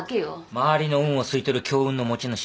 周りの運を吸い取る強運の持ち主。